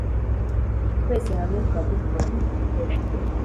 twese hamwe turagukunda